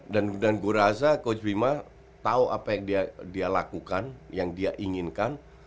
dan gue rasa coach bima tau apa yang dia lakukan yang dia inginkan